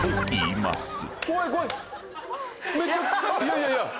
いやいやいや。